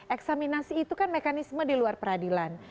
eksaminasi itu kan mekanisme di luar peradilan